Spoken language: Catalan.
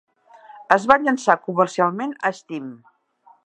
Es va llançar comercialment a Steam.